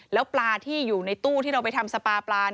แล้วปลาที่อยู่ในตู้ที่เราไปทำสปาปลา